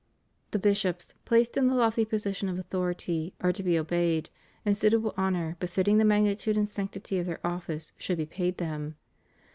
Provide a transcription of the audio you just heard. The bishops, placed in the lofty position of authority, are to be obeyed, and suitable honor befitting the magnitude and sanctity of their office should be paid them.